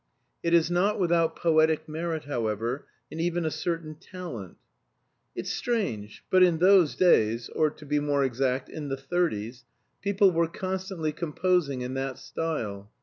It is not without poetic merit, however, and even a certain talent. It's strange, but in those days (or to be more exact, in the thirties) people were constantly composing in that style.